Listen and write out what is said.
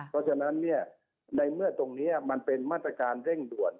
เพราะฉะนั้นในเมื่อตรงนี้มันเป็นมาตรการเร่งด่วน